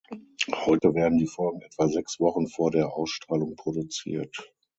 Heute werden die Folgen etwa sechs Wochen vor der Ausstrahlung produziert.